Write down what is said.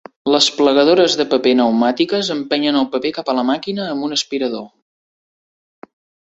Les plegadores de paper pneumàtiques empenyen el paper cap a la màquina amb un aspirador.